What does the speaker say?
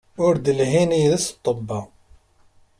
Ur d-lhin yid-s ṭṭebba.